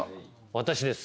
私です。